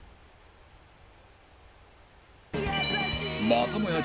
またもや